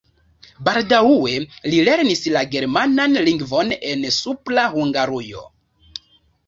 Baldaŭe li lernis la germanan lingvon en Supra Hungarujo.